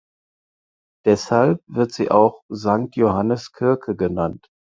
Deshalb wird sie auch „Sankt Johannes Kirke“ genannt.